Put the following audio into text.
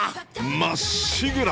まっしぐら！